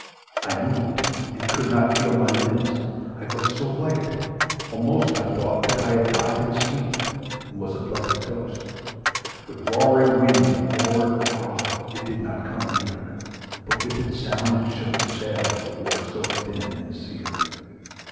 I moved, and could not feel my limbs: I was so light almost I thought that I had died in sleep, And was a blessed ghost. And soon I heard a roaring wind: It did not come anear; But with its sound it shook the sails, That were so thin and sere.